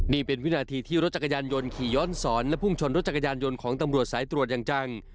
นี่เป็นวินาทีที่รถจักรยานยนต์ขี่ย้อนสอนและพุ่งชนรถจักรยานยนต์ของตำรวจสายตรวจอย่างจัง